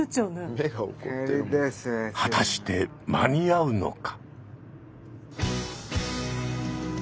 果たして間に合うのか。